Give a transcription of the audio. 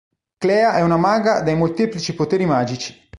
Clea è una maga dai molteplici poteri magici.